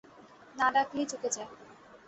না ডাকলেই চুকে যায়।